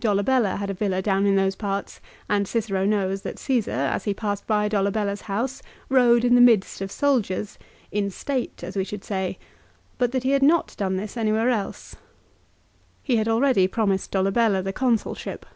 Dolabella had a villa down in those parts, and Cicero knows that Csesar, as he passed by Dolabella's house, rode in the midst of soldiers, in state, as we should say ; but that he had not done this anywhere else. He had already promised Dolabella the Consulship.